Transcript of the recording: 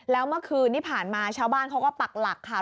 แล้วเมื่อคืนที่ผ่านมาชาวบ้านเขาก็ปักหลักค่ะ